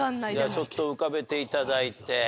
ちょっと浮かべて頂いて。